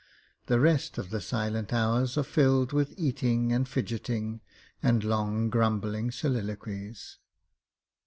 The rest of the silent hours are filled with eating and fidgeting and long grumbling soliloquies.